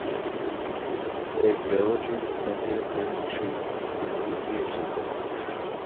A villager planted this tree fifty years ago.